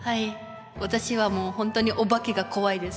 私はもう本当におばけが怖いです。